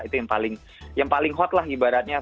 itu yang paling hot lah ibaratnya